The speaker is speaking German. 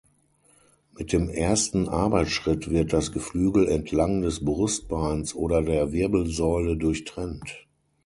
Mit dem ersten Arbeitsschritt wird das Geflügel entlang des Brustbeins oder der Wirbelsäule durchtrennt.